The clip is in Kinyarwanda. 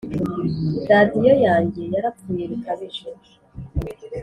radiyo yanjye yarapfuye bikabije